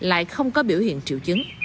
lại không có biểu hiện triệu chứng